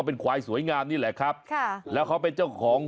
เหมือนตอน